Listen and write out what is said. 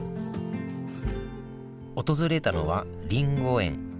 訪れたのはりんご園。